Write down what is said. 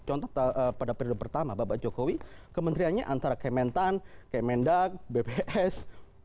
contoh pada periode pertama bapak jokowi kementeriannya antara kementan kemendak bps